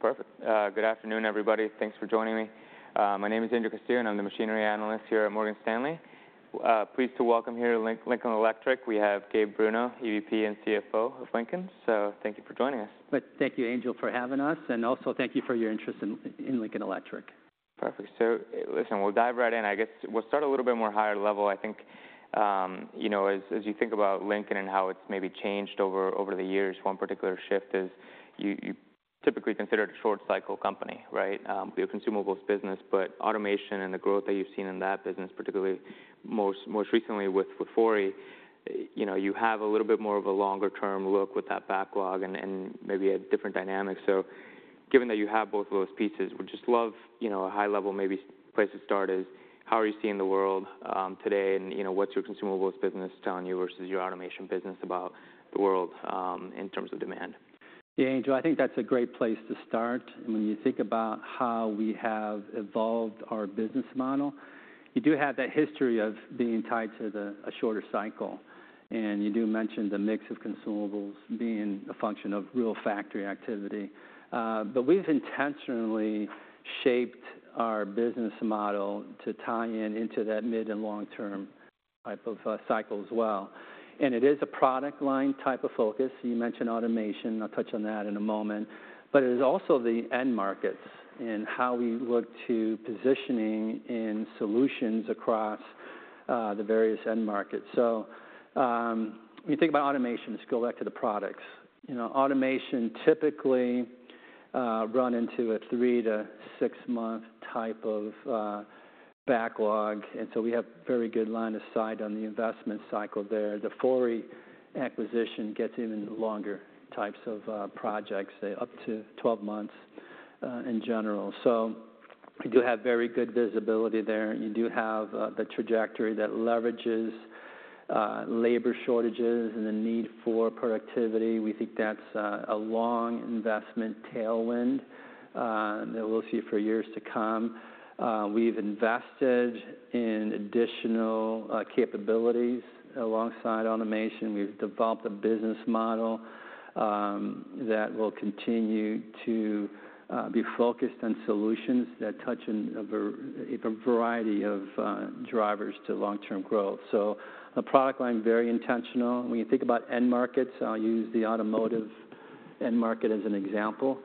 Perfect. Good afternoon, everybody. Thanks for joining me. My name is Angel Castillo, and I'm the machinery analyst here at Morgan Stanley. Pleased to welcome here Lincoln Electric. We have Gabe Bruno, EVP and CFO of Lincoln. So thank you for joining us. Thank you, Angel, for having us, and also thank you for your interest in Lincoln Electric. Perfect. So, listen, we'll dive right in. I guess we'll start a little bit more higher level. I think, you know, as you think about Lincoln and how it's maybe changed over the years, one particular shift is you typically consider it a short cycle company, right? You're a consumables business, but automation and the growth that you've seen in that business, particularly most recently with Fori, you know, you have a little bit more of a longer term look with that backlog and maybe a different dynamic. So given that you have both of those pieces, we'd just love, you know, a high level maybe place to start is: How are you seeing the world today, and, you know, what's your consumables business telling you versus your automation business about the world in terms of demand? Yeah, Angel, I think that's a great place to start. When you think about how we have evolved our business model, you do have that history of being tied to a shorter cycle, and you do mention the mix of consumables being a function of real factory activity. But we've intentionally shaped our business model to tie in into that mid and long-term type of cycle as well. And it is a product line type of focus. You mentioned automation, I'll touch on that in a moment, but it is also the end markets and how we look to positioning in solutions across the various end markets. When you think about automation, let's go back to the products. You know, automation typically run into a 3- to 6-month type of backlog, and so we have very good line of sight on the investment cycle there. The Fori acquisition gets even longer types of projects, say, up to 12 months, in general. So you do have very good visibility there, and you do have the trajectory that leverages labor shortages and the need for productivity. We think that's a long investment tailwind that we'll see for years to come. We've invested in additional capabilities alongside automation. We've developed a business model that will continue to be focused on solutions that touch in a variety of drivers to long-term growth. So a product line, very intentional. When you think about end markets, I'll use the automotive end market as an example.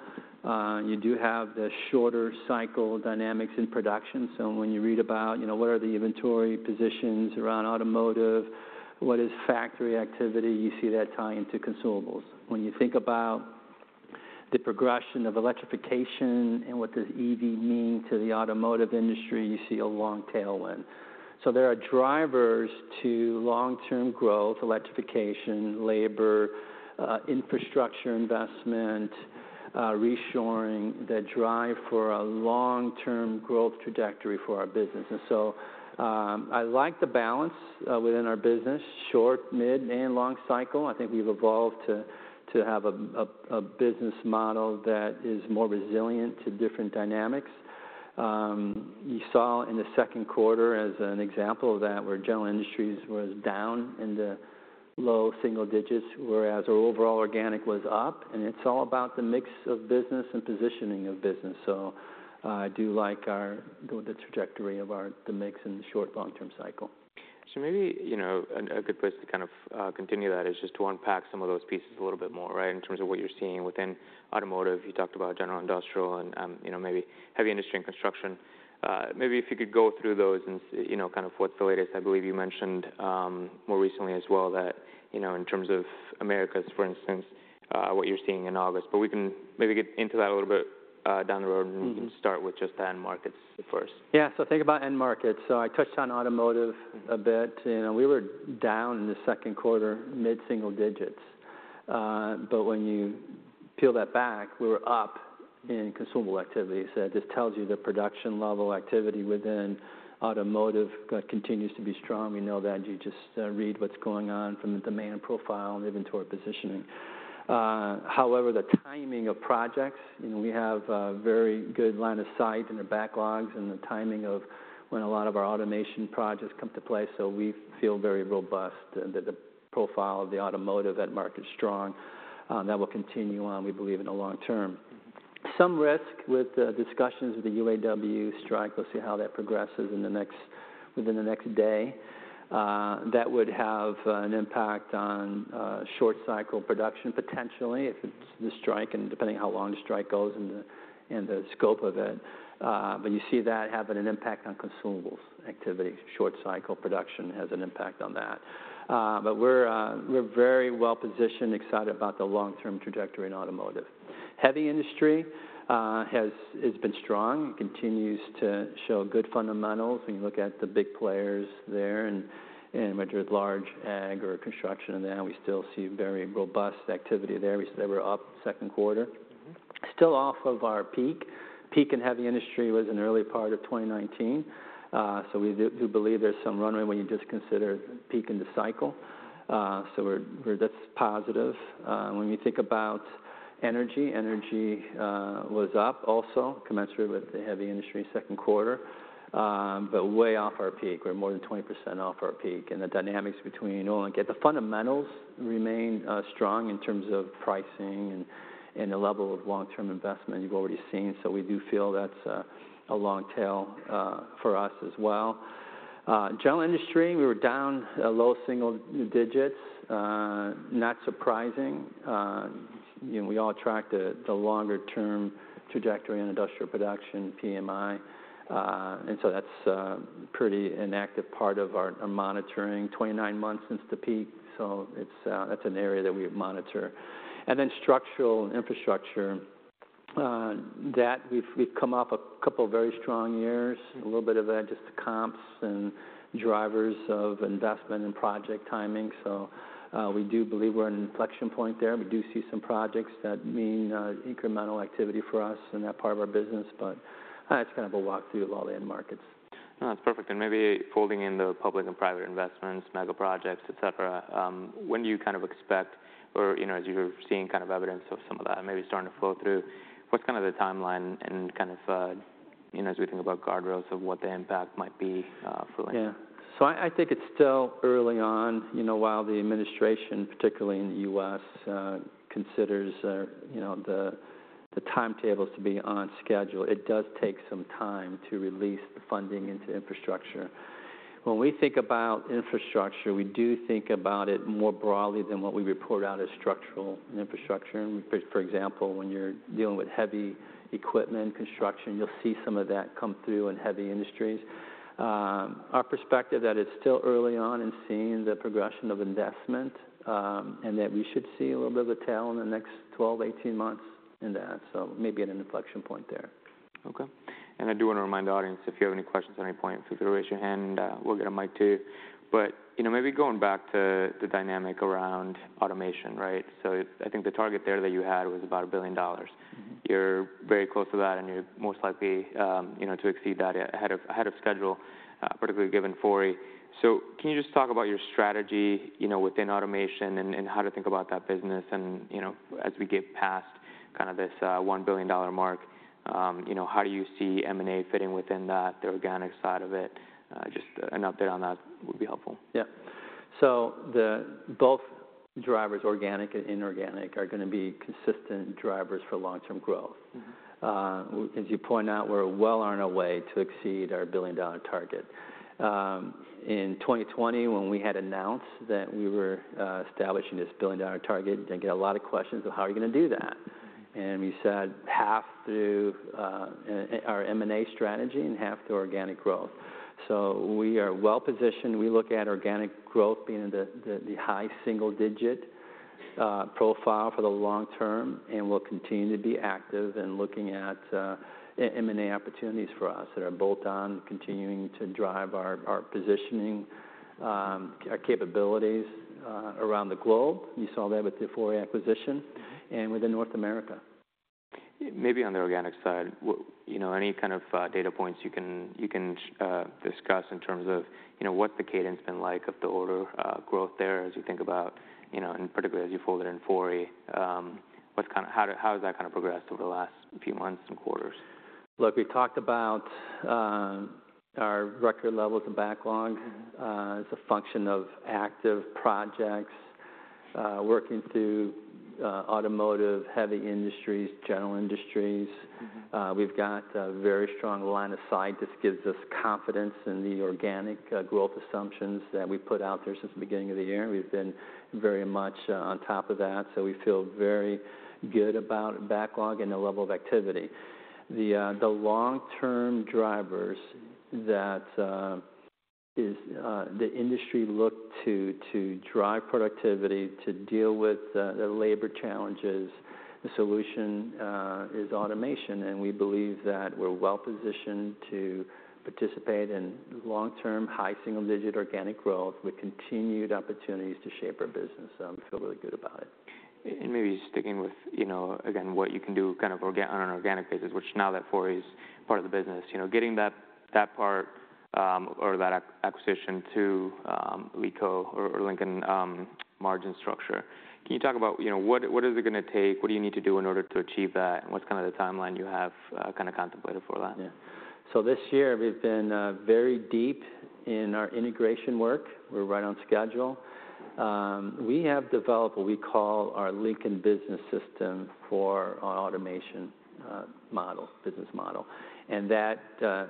You do have the shorter cycle dynamics in production, so when you read about, you know, what are the inventory positions around automotive? What is factory activity? You see that tying into consumables. When you think about the progression of electrification and what does EV mean to the automotive industry, you see a long tailwind. So there are drivers to long-term growth, electrification, labor, infrastructure investment, reshoring, the drive for a long-term growth trajectory for our business. And so, I like the balance within our business: short, mid, and long cycle. I think we've evolved to have a business model that is more resilient to different dynamics. You saw in the second quarter as an example of that, where General Industries was down in the low single digits, whereas our overall organic was up, and it's all about the mix of business and positioning of business. So, I do like the trajectory of our, the mix in the short, long-term cycle. So maybe, you know, a good place to kind of continue that is just to unpack some of those pieces a little bit more, right? In terms of what you're seeing within automotive. You talked about general industrial and, you know, maybe heavy industry and construction. Maybe if you could go through those and you know, kind of what's the latest. I believe you mentioned more recently as well that, you know, in terms of Americas, for instance, what you're seeing in August, but we can maybe get into that a little bit down the road. Start with just the end markets first. Yeah. So think about end markets. So I touched on automotive a bit. You know, we were down in the second quarter, mid-single digits. But when you peel that back, we were up in consumable activity. So it just tells you the production level activity within automotive continues to be strong. We know that. You just read what's going on from the demand profile and inventory positioning. However, the timing of projects, you know, we have a very good line of sight in the backlogs and the timing of when a lot of our automation projects come to play, so we feel very robust and that the profile of the automotive end market is strong. That will continue on, we believe, in the long term. Some risk with discussions with the UAW strike. We'll see how that progresses within the next day. That would have an impact on short cycle production, potentially, if it's the strike and depending on how long the strike goes and the scope of it. But you see that having an impact on consumables activity. Short cycle production has an impact on that. But we're very well positioned, excited about the long-term trajectory in automotive. Heavy industry has. It's been strong and continues to show good fundamentals. When you look at the big players there and with large ag or construction and that, we still see very robust activity there. They were up second quarter. Mm-hmm. Still off of our peak. Peak in heavy industry was in early part of 2019. So we do, we do believe there's some runway when you just consider peak in the cycle. So we're, we're just positive. When you think about energy, energy was up also, commensurate with the heavy industry second quarter. But way off our peak. We're more than 20% off our peak, and the dynamics between oil and gas. The fundamentals remain strong in terms of pricing and the level of long-term investment you've already seen, so we do feel that's a long tail for us as well. General industry, we were down low single digits. Not surprising. You know, we all tracked the longer term trajectory in industrial production, PMI, and so that's pretty active part of our monitoring. 29 months since the peak, so that's an area that we monitor. And then structural infrastructure that we've come off a couple of very strong years, a little bit of that, just the comps and drivers of investment and project timing. So we do believe we're in an inflection point there. We do see some projects that mean incremental activity for us in that part of our business, but it's kind of a walkthrough of all the end markets. No, it's perfect. And maybe folding in the public and private investments, mega projects, et cetera, when do you kind of expect or, you know, as you're seeing kind of evidence of some of that maybe starting to flow through, what's kind of the timeline and kind of, you know, as we think about guardrails of what the impact might be, for you? Yeah. So I think it's still early on. You know, while the administration, particularly in the U.S., considers, you know, the timetables to be on schedule, it does take some time to release the funding into infrastructure. When we think about infrastructure, we do think about it more broadly than what we report out as structural infrastructure. For example, when you're dealing with heavy equipment construction, you'll see some of that come through in heavy industries. Our perspective that it's still early on in seeing the progression of investment, and that we should see a little bit of a tail in the next 12 months-18 months in that, so maybe at an inflection point there. Okay. And I do wanna remind the audience, if you have any questions at any point, feel free to raise your hand, we'll get a mic to you. But, you know, maybe going back to the dynamic around automation, right? So I think the target there that you had was about $1 billion. You're very close to that, and you're most likely, you know, to exceed that ahead of schedule, particularly given Fori. So can you just talk about your strategy, you know, within automation and how to think about that business? And, you know, as we get past kind of this $1 billion mark, you know, how do you see M&A fitting within that, the organic side of it? Just an update on that would be helpful. Yeah. So both drivers, organic and inorganic, are gonna be consistent drivers for long-term growth. Mm-hmm. As you point out, we're well on our way to exceed our billion-dollar target. In 2020, when we had announced that we were establishing this billion-dollar target, we did get a lot of questions: "Well, how are you gonna do that?" And we said, "Half through our M&A strategy and half through organic growth." So we are well positioned. We look at organic growth being the high single digit profile for the long term, and we'll continue to be active in looking at M&A opportunities for us that are both on continuing to drive our positioning, our capabilities around the globe. You saw that with the Fori acquisition and within North America. Maybe on the organic side, what, you know, any kind of data points you can discuss in terms of, you know, what the cadence been like of the order growth there as you think about, you know, and particularly as you fold it in Fori, what's kind of, how has that kind of progressed over the last few months and quarters? Look, we talked about our record levels of backlog. It's a function of active projects working through automotive, heavy industries, general industries. Mm-hmm. We've got a very strong line of sight. This gives us confidence in the organic growth assumptions that we put out there since the beginning of the year. We've been very much on top of that, so we feel very good about backlog and the level of activity. The long-term drivers that is the industry look to to drive productivity, to deal with the labor challenges, the solution is automation, and we believe that we're well positioned to participate in long-term, high single-digit organic growth with continued opportunities to shape our business. So we feel really good about it. Maybe sticking with, you know, again, what you can do kind of on an organic basis, which now that Fori is part of the business, you know, getting that, that part, or that acquisition to Lincoln or Lincoln margin structure. Can you talk about, you know, what, what is it gonna take? What do you need to do in order to achieve that? And what's kind of the timeline you have kind of contemplated for that? Yeah. So this year we've been very deep in our integration work. We're right on schedule. We have developed what we call our Lincoln Business System for our automation model, business model, and that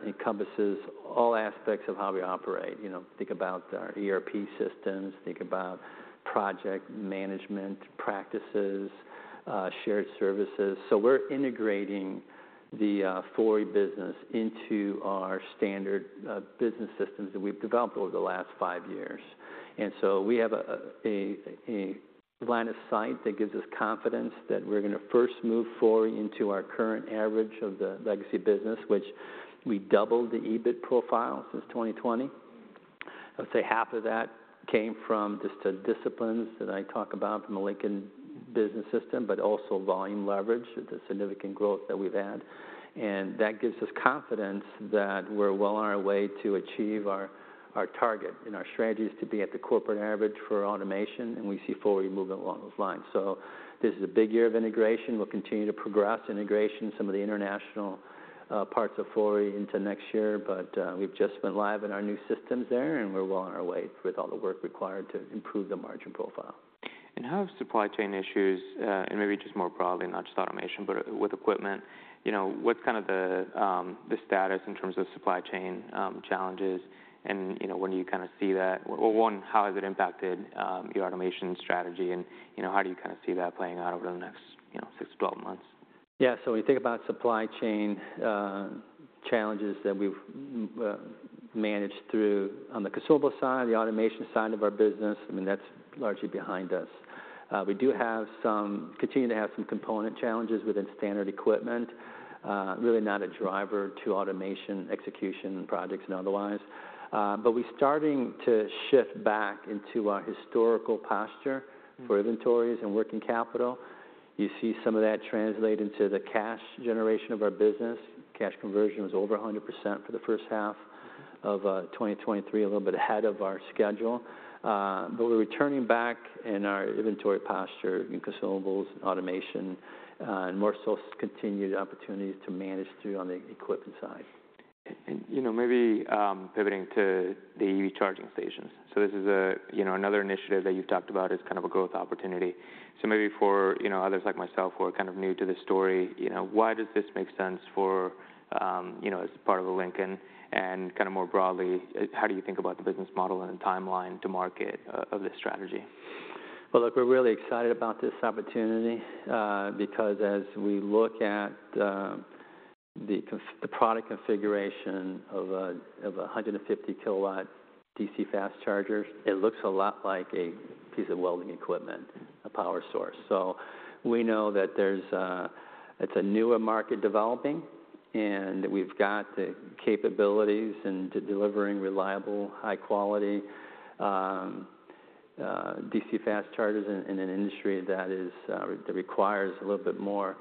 encompasses all aspects of how we operate. You know, think about our ERP systems, think about project management practices, shared services. So we're integrating the Fori business into our standard business systems that we've developed over the last five years. And so we have a line of sight that gives us confidence that we're gonna first move Fori into our current average of the legacy business, which we doubled the EBIT profile since 2020. I would say half of that came from just the disciplines that I talk about from the Lincoln Business System, but also volume leverage, the significant growth that we've had. And that gives us confidence that we're well on our way to achieve our target. And our strategy is to be at the corporate average for automation, and we see fully moving along those lines. So this is a big year of integration. We'll continue to progress integration, some of the international parts of Fori into next year, but we've just been live in our new systems there, and we're well on our way with all the work required to improve the margin profile. How have supply chain issues, and maybe just more broadly, not just automation, but with equipment, you know, what's kind of the status in terms of supply chain challenges? And, you know, when do you kind of see that, or one, how has it impacted your automation strategy and, you know, how do you kind of see that playing out over the next, you know, 6 months-12 months? Yeah. So when you think about supply chain challenges that we've managed through on the consumable side, the automation side of our business, I mean, that's largely behind us. We continue to have some component challenges within standard equipment. Really not a driver to automation, execution, projects, and otherwise. But we're starting to shift back into our historical posture for inventories and working capital. You see some of that translate into the cash generation of our business. Cash conversion was over 100% for the first half of 2023, a little bit ahead of our schedule. But we're returning back in our inventory posture in consumables, automation, and more so continued opportunities to manage through on the equipment side. You know, maybe pivoting to the EV charging stations. So this is, you know, another initiative that you've talked about as kind of a growth opportunity. So maybe for, you know, others like myself, who are kind of new to this story, you know, why does this make sense for, you know, as part of the Lincoln? And kind of more broadly, how do you think about the business model and the timeline to market of this strategy? Well, look, we're really excited about this opportunity, because as we look at the product configuration of a 150-kW DC fast charger, it looks a lot like a piece of welding equipment, a power source. So we know that there's a newer market developing, and we've got the capabilities and to delivering reliable, high quality DC fast chargers in an industry that requires a little bit more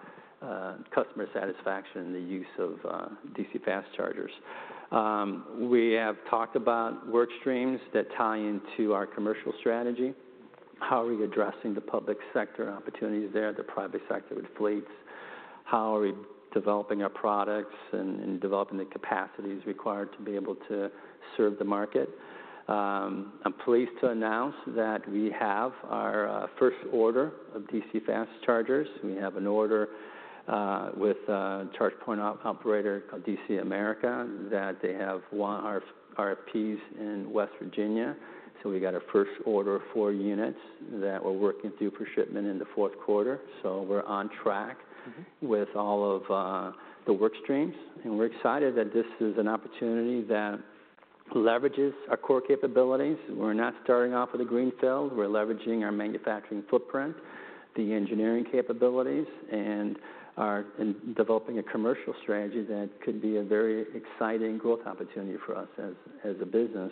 customer satisfaction in the use of DC fast chargers. We have talked about work streams that tie into our commercial strategy. How are we addressing the public sector opportunities there, the private sector with fleets? How are we developing our products and developing the capacities required to be able to serve the market? I'm pleased to announce that we have our first order of DC fast chargers. We have an order with a charge-point operator called DC-America, that they have one RFP in West Virginia. So we got a first order of four units that we're working through for shipment in the fourth quarter. So we're on track. Mm-hmm With all of, the work streams, and we're excited that this is an opportunity that leverages our core capabilities. We're not starting off with a greenfield. We're leveraging our manufacturing footprint, the engineering capabilities, and developing a commercial strategy that could be a very exciting growth opportunity for us as a business.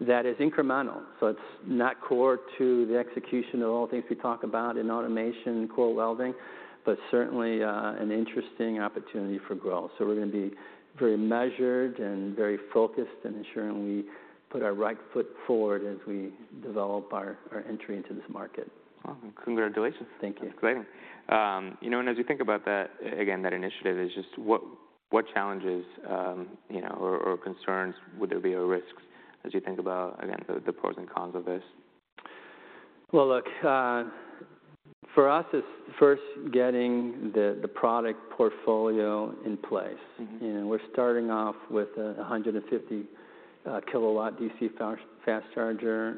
That is incremental, so it's not core to the execution of all the things we talk about in automation and core welding, but certainly an interesting opportunity for growth. So we're gonna be very measured and very focused in ensuring we put our right foot forward as we develop our entry into this market. Well, congratulations. Thank you. That's exciting. You know, and as you think about that, again, that initiative, is just what, what challenges, you know, or concerns would there be, or risks as you think about, again, the pros and cons of this? Well, look, for us, it's first getting the product portfolio in place. Mm-hmm. And we're starting off with 150-kW DC fast charger.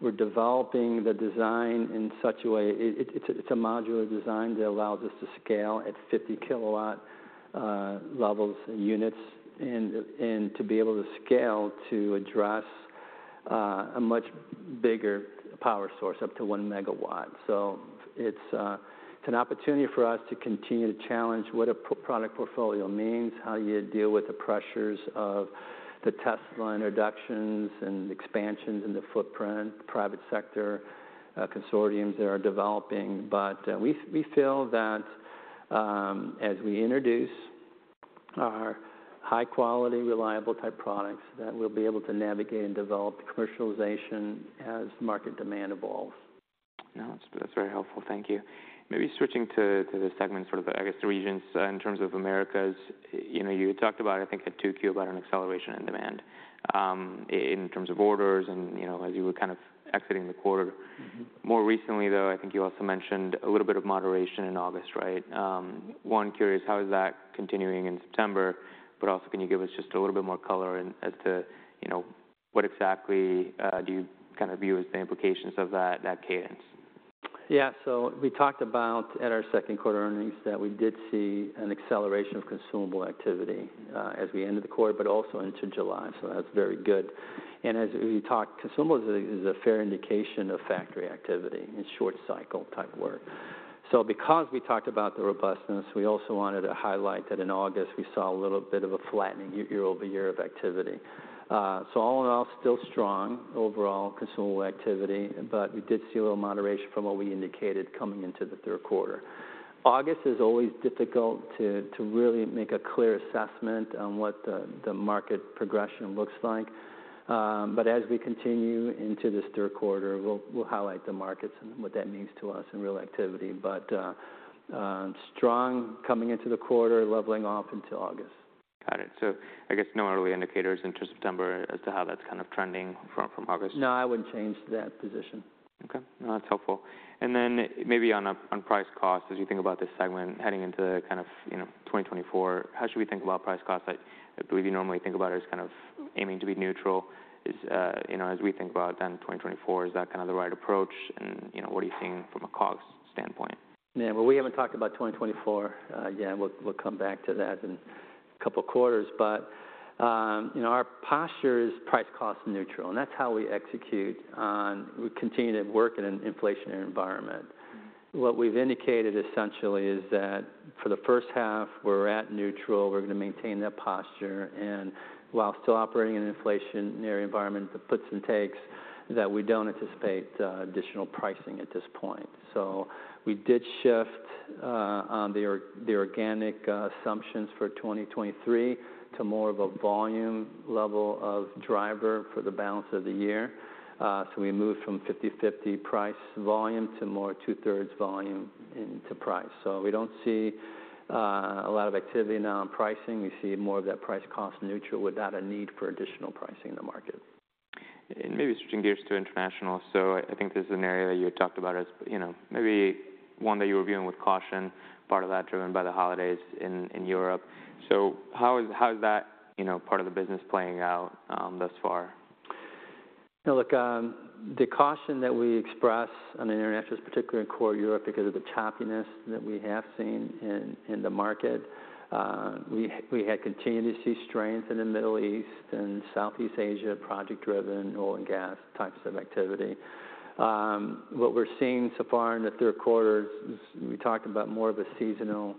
We're developing the design in such a way, it's a modular design that allows us to scale at 50-kW levels and units, and to be able to scale to address a much bigger power source, up to 1 MW. So it's an opportunity for us to continue to challenge what a product portfolio means, how you deal with the pressures of the Tesla introductions and expansions in the footprint, private sector consortiums that are developing. But we feel that, as we introduce our high-quality, reliable-type products, that we'll be able to navigate and develop commercialization as market demand evolves. No, that's, that's very helpful. Thank you. Maybe switching to, to the segment, sort of, I guess, the regions in terms of Americas, you know, you had talked about, I think, at 2Q about an acceleration in demand, in terms of orders and, you know, as you were kind of exiting the quarter. Mm-hmm. More recently, though, I think you also mentioned a little bit of moderation in August, right? I'm curious, how is that continuing in September? But also, can you give us just a little bit more color as to, you know, what exactly do you kind of view as the implications of that cadence? Yeah. So we talked about at our second quarter earnings, that we did see an acceleration of consumable activity, as we ended the quarter, but also into July. So that's very good. And as we talked, consumable is a fair indication of factory activity and short cycle type work. So because we talked about the robustness, we also wanted to highlight that in August, we saw a little bit of a flattening year-over-year of activity. So all in all, still strong overall consumable activity, but we did see a little moderation from what we indicated coming into the third quarter. August is always difficult to really make a clear assessment on what the market progression looks like. But as we continue into this third quarter, we'll highlight the markets and what that means to us in real activity. Strong coming into the quarter, leveling off into August. Got it. So I guess no early indicators into September as to how that's kind of trending from, from August? No, I wouldn't change that position. Okay. No, that's helpful. And then maybe on, on price cost, as you think about this segment heading into kind of, you know, 2024, how should we think about price cost? I, I believe you normally think about it as kind of aiming to be neutral. Is, you know, as we think about then 2024, is that kind of the right approach, and, you know, what are you seeing from a cost standpoint? Yeah, well, we haven't talked about 2024. Yeah, we'll come back to that in a couple of quarters. But, you know, our posture is price, cost neutral, and that's how we execute on, we continue to work in an inflationary environment. What we've indicated, essentially, is that for the first half, we're at neutral. We're gonna maintain that posture, and while still operating in an inflationary environment, the puts and takes, that we don't anticipate additional pricing at this point. So we did shift on the organic assumptions for 2023 to more of a volume level of driver for the balance of the year. So we moved from 50/50 price volume to more 2/3 volume into price. So we don't see a lot of activity now on pricing. We see more of that price cost neutral without a need for additional pricing in the market. Maybe switching gears to international. So I think this is an area that you had talked about as, you know, maybe one that you were viewing with caution, part of that driven by the holidays in Europe. So how is that, you know, part of the business playing out thus far? Now, look, the caution that we express on the international, particularly in core Europe, because of the choppiness that we have seen in the market, we had continued to see strength in the Middle East and Southeast Asia, project-driven oil and gas types of activity. What we're seeing so far in the third quarter is, we talked about more of a seasonal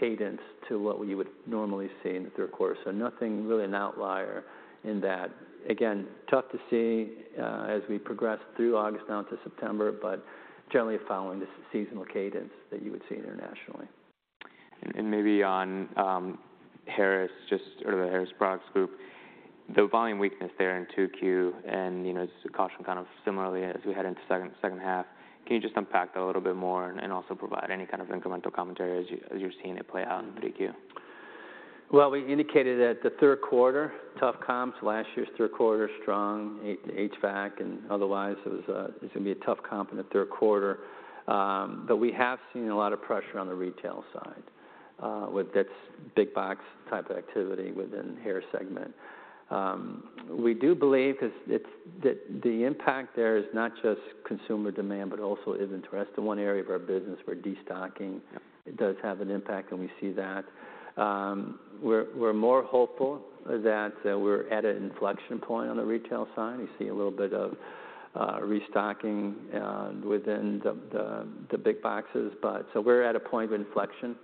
cadence to what we would normally see in the third quarter. So nothing really an outlier in that. Again, tough to see as we progress through August now into September, but generally following the seasonal cadence that you would see internationally. And maybe on Harris, just or the Harris Products Group, the volume weakness there in 2Q and, you know, caution kind of similarly as we head into second half. Can you just unpack that a little bit more and also provide any kind of incremental commentary as you're seeing it play out in 3Q? Well, we indicated that the third quarter, tough comps, last year's third quarter, strong HVAC and otherwise, it was, it's gonna be a tough comp in the third quarter. But we have seen a lot of pressure on the retail side, with this big box type of activity within the Harris segment. We do believe 'cause it's, the impact there is not just consumer demand, but also inventory. That's the one area of our business where destocking- Yeah It does have an impact, and we see that. We're more hopeful that we're at an inflection point on the retail side. We see a little bit of restocking within the big boxes, but so we're at a point of inflection.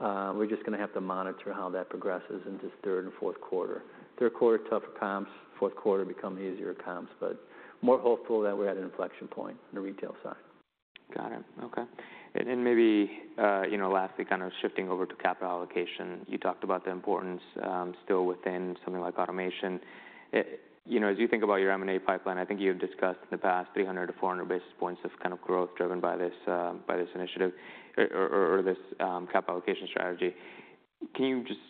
Mm-hmm. We're just gonna have to monitor how that progresses into third and fourth quarter. Third quarter, tougher comps, fourth quarter, become easier comps, but more hopeful that we're at an inflection point on the retail side. Got it. Okay. And then maybe, you know, lastly, kind of shifting over to capital allocation. You talked about the importance, still within something like automation. You know, as you think about your M&A pipeline, I think you have discussed in the past 300 basis points-400 basis points of kind of growth driven by this, by this initiative or this capital allocation strategy. Can you just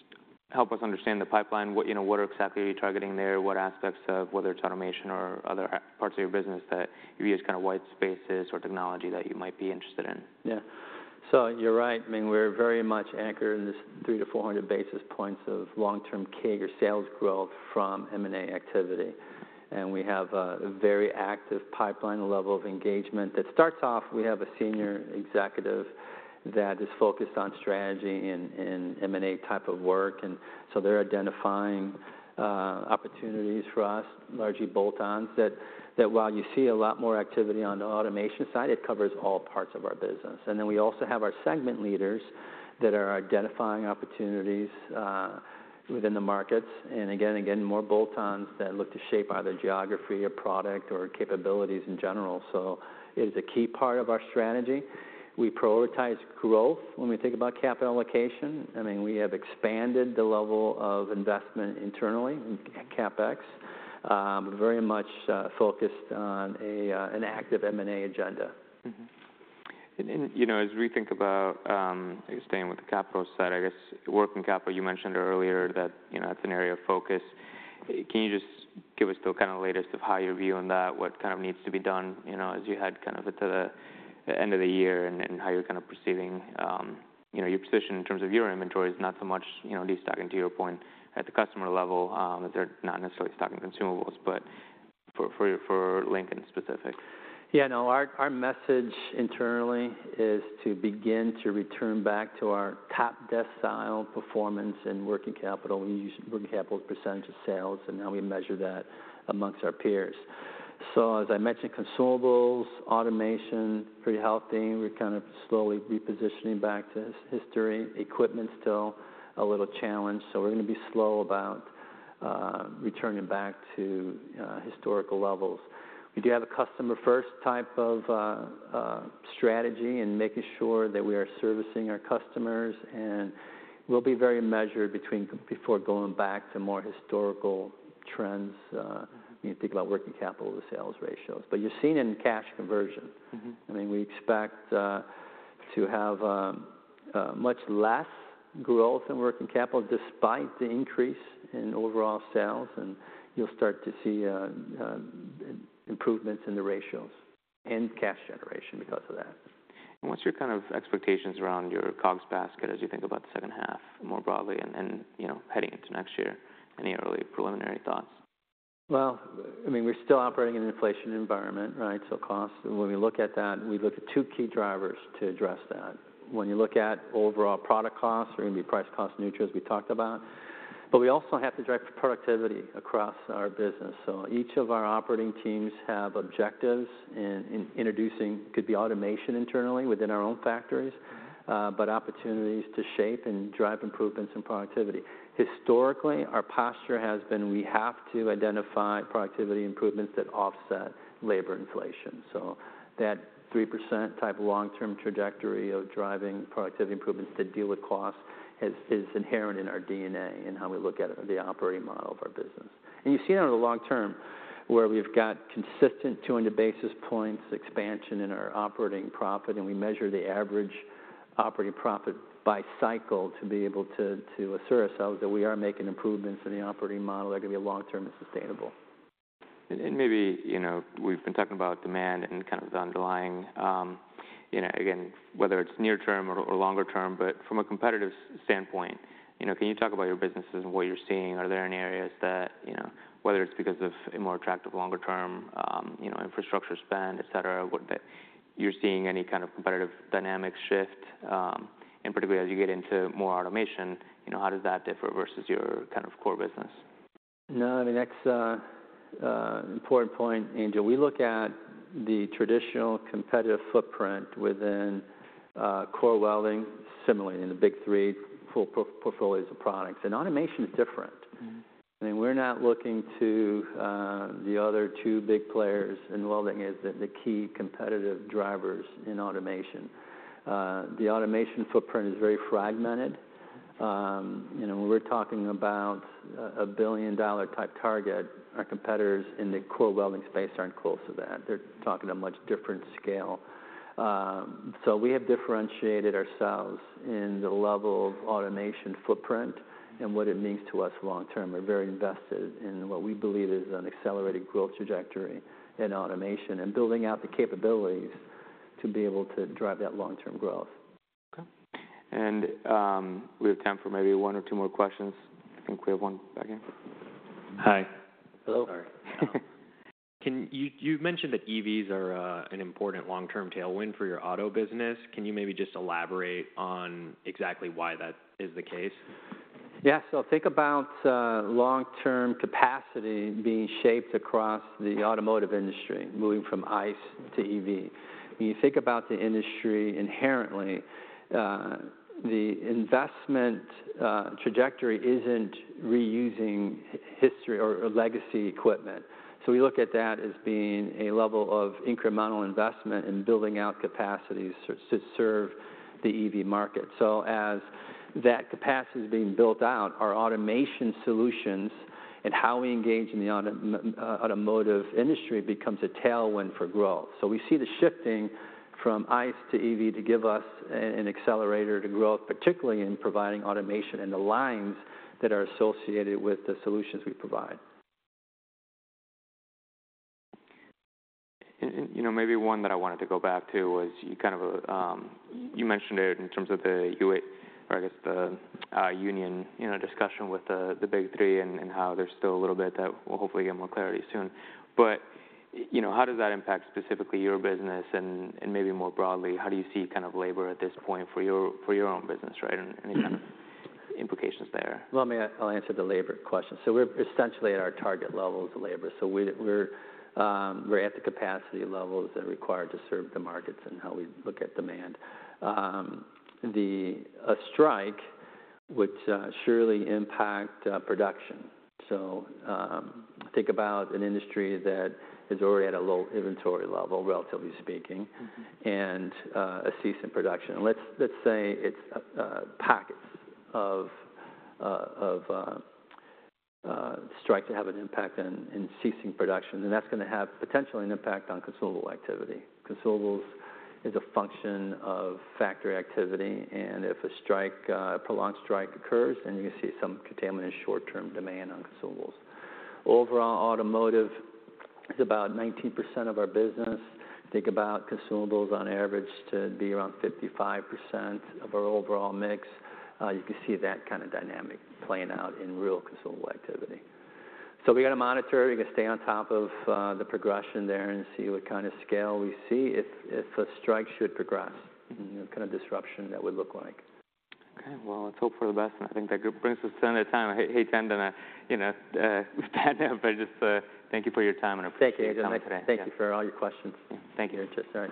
help us understand the pipeline? What, you know, what exactly are you targeting there? What aspects of whether it's automation or other parts of your business that you view as kind of white spaces or technology that you might be interested in? Yeah. So you're right. I mean, we're very much anchored in this 300 basis points-400 basis points of long-term CAGR of sales growth from M&A activity, and we have a very active pipeline level of engagement that starts off, we have a senior executive that is focused on strategy and M&A type of work, and so they're identifying opportunities for us, largely bolt-ons, that while you see a lot more activity on the automation side, it covers all parts of our business. And then we also have our segment leaders that are identifying opportunities within the markets, and again, more bolt-ons that look to shape either geography or product or capabilities in general. So it is a key part of our strategy. We prioritize growth when we think about capital allocation. I mean, we have expanded the level of investment internally in CapEx, very much focused on an active M&A agenda. Mm-hmm. And, you know, as we think about staying with the capital side, I guess, working capital, you mentioned earlier that, you know, it's an area of focus. Can you just give us the kind of latest of how you're viewing that, what kind of needs to be done, you know, as you head kind of into the end of the year, and how you're kind of perceiving, you know, your position in terms of your inventory, is not so much, you know, destocking to your point, at the customer level, if they're not necessarily stocking consumables, but for Lincoln specific? Yeah, no, our message internally is to begin to return back to our top decile performance in working capital. We use working capital as a percentage of sales, and how we measure that among our peers. So as I mentioned, consumables, automation, pretty healthy. We're kind of slowly repositioning back to history. Equipment's still a little challenged, so we're gonna be slow about returning back to historical levels. We do have a customer first type of strategy in making sure that we are servicing our customers, and we'll be very measured before going back to more historical trends. When you think about working capital to sales ratios. But you're seeing it in cash conversion. Mm-hmm. I mean, we expect to have a much less growth in working capital despite the increase in overall sales, and you'll start to see improvements in the ratios and cash generation because of that. What's your kind of expectations around your COGS basket as you think about the second half, more broadly, and you know, heading into next year? Any early preliminary thoughts? Well, I mean, we're still operating in an inflation environment, right? So cost, when we look at that, we look at two key drivers to address that. When you look at overall product costs, we're gonna be price cost neutral, as we talked about, but we also have to drive productivity across our business. So each of our operating teams have objectives in introducing, could be automation internally within our own factories, but opportunities to shape and drive improvements in productivity. Historically, our posture has been, we have to identify productivity improvements that offset labor inflation. So that 3% type of long-term trajectory of driving productivity improvements that deal with cost is inherent in our DNA and how we look at the operating model of our business. You've seen it on the long term, where we've got consistent 200 basis points expansion in our operating profit, and we measure the average operating profit by cycle to be able to, to assure ourselves that we are making improvements in the operating model that can be long-term and sustainable. And maybe, you know, we've been talking about demand and kind of the underlying, you know, again, whether it's near term or longer term, but from a competitive standpoint, you know, can you talk about your businesses and what you're seeing? Are there any areas that, you know, whether it's because of a more attractive longer term, you know, infrastructure spend, et cetera, what you're seeing any kind of competitive dynamic shift, and particularly as you get into more automation, you know, how does that differ versus your kind of core business? No, I mean, that's an important point, Angel. We look at the traditional competitive footprint within core welding, similarly in the Big Three full portfolios of products, and automation is different. Mm-hmm. I mean, we're not looking to the other two big players in welding as the key competitive drivers in automation. The automation footprint is very fragmented. You know, when we're talking about a billion-dollar type target, our competitors in the core welding space aren't close to that. They're talking a much different scale. So we have differentiated ourselves in the level of automation footprint and what it means to us long term. We're very invested in what we believe is an accelerated growth trajectory in automation, and building out the capabilities to be able to drive that long-term growth. Okay. And, we have time for maybe one or two more questions. I think we have one back here. Hi. Hello, sorry. Can you—you've mentioned that EVs are an important long-term tailwind for your auto business. Can you maybe just elaborate on exactly why that is the case? Yeah. So think about long-term capacity being shaped across the automotive industry, moving from ICE to EV. When you think about the industry inherently, the investment trajectory isn't reusing history or legacy equipment. So we look at that as being a level of incremental investment in building out capacities to serve the EV market. So as that capacity is being built out, our automation solutions and how we engage in the automotive industry becomes a tailwind for growth. So we see the shifting from ICE to EV to give us an accelerator to grow, particularly in providing automation in the lines that are associated with the solutions we provide. And you know, maybe one that I wanted to go back to was, you kind of... You mentioned it in terms of the UAW, or I guess the union, you know, discussion with the Big Three, and how there's still a little bit that we'll hopefully get more clarity soon. But you know, how does that impact specifically your business, and maybe more broadly, how do you see kind of labor at this point for your own business, right? And any kind- Mm-hmm... implications there? Well, let me, I'll answer the labor question. So we're essentially at our target levels of labor, so we're at the capacity levels that are required to serve the markets and how we look at demand. A strike would surely impact production. So, think about an industry that is already at a low inventory level, relatively speaking- Mm-hmm... and a cease in production. Let's say it's pockets of strike to have an impact in ceasing production, and that's gonna have potentially an impact on consumable activity. Consumables is a function of factory activity, and if a strike, a prolonged strike occurs, then you're gonna see some containment in short-term demand on consumables. Overall, automotive is about 19% of our business. Think about consumables on average to be around 55% of our overall mix. You can see that kind of dynamic playing out in real consumable activity. So we're gonna monitor, we're gonna stay on top of the progression there and see what kind of scale we see if a strike should progress, what kind of disruption that would look like. Okay, well, let's hope for the best, and I think that brings us to end of time. I hate to end on a, you know, bad note, but just, thank you for your time, and I appreciate you coming today. Thank you, Angel. Thank you for all your questions. Thank you. Sorry.